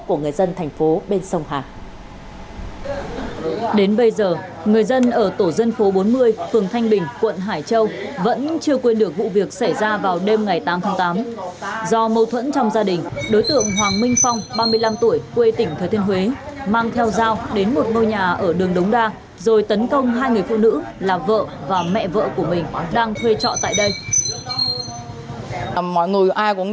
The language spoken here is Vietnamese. câu chuyện sau đây tại phường thanh bình quận hải châu thành phố đà nẵng